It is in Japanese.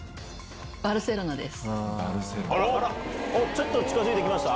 ちょっと近づいてきました？